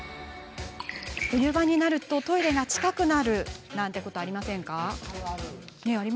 冬場になるとトイレが近くなるなんてことありませんか？